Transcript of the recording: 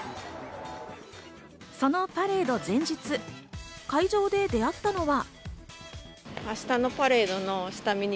そのパレード前日、会場で出会ったのは。